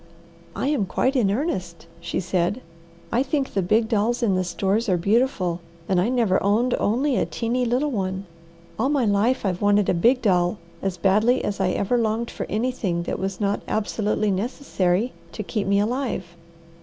"I am quite in earnest," she said. "I think the big dolls in the stores are beautiful, and I never owned only a teeny little one. All my life I've wanted a big doll as badly as I ever longed for anything that was not absolutely necessary to keep me alive.